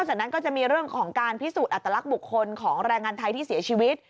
จากนั้นก็จะมีเรื่องของการพิสูจน์อัตลักษณ์บุคคลของแรงงานไทยที่เสียชีวิต